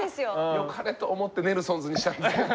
よかれと思ってネルソンズにしたんですけども。